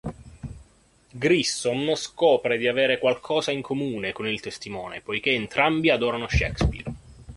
Grissom scopre di avere qualcosa in comune con il testimone, poiché entrambi adorano Shakespeare.